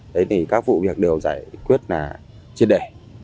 đấy thì các vụ việc đều giải quyết là triệt đề